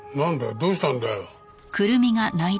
どうしたんだよ？